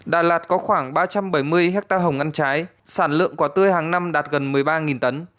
đà lạt có khoảng ba trăm bảy mươi hectare hồng ăn trái sản lượng quả tươi hàng năm đạt gần một mươi ba tấn